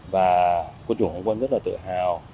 và quân chủ phòng quân rất là tự hào